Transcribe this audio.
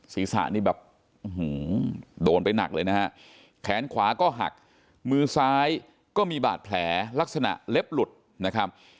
ศีรษะนี่แบบโดนไปหนักเลยนะฮะแขนขวาก็หักมือซ้ายก็มีบาดแผลลักษณะเล็บหลุดนะครับ